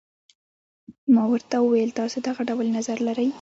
ما ورته وویل تاسي دغه ډول نظر لرئ.